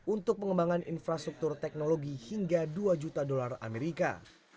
untuk pengembangan infrastruktur teknologi hingga dua juta dolar amerika